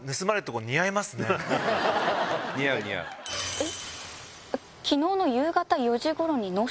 えっ？